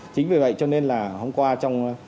chính vì vậy cho nên là hôm qua trong